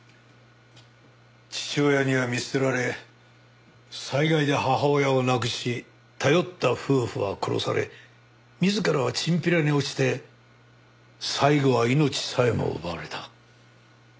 父親には見捨てられ災害で母親を亡くし頼った夫婦は殺され自らはチンピラに落ちて最後は命さえも奪われた。